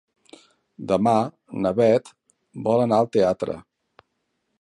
Demà na Beth vol anar al teatre.